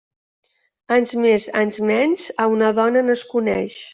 Anys més, anys menys, a una dona no es coneix.